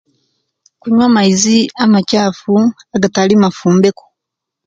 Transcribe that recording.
Okunywa amaizi amakyafu agataali mafumbeku